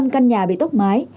sáu mươi năm căn nhà bị tốc mái